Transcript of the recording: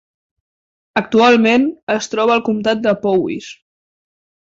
Actualment, es troba al comtat de Powys.